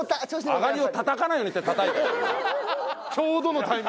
「あがりをたたかないように」ってたたいたよ。